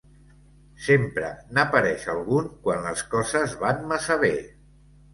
Sempre n'apareix algun quan les coses van massa bé.